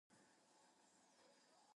Hore now led by two.